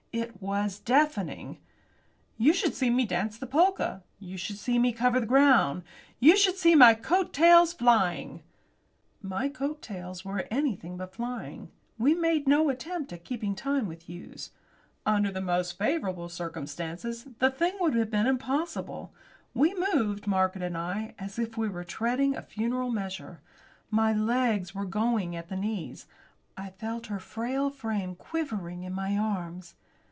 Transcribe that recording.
It was deafening! You should see me dance the polka, You should see me cover the ground; You should see my coat tails flying My coat tails were anything but flying. We made no attempt at keeping time with Hughes. Under the most favourable circumstances the thing would have been impossible. We moved, Margaret and I, as if we were treading a funeral measure. My legs were going at the knees. I felt her frail frame quivering in my arms.